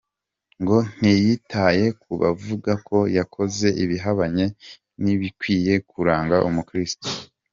Ngo ntiyitaye ku bavuga ko yakoze ibihabanye n’ibikwiye kuranga umukirisitu.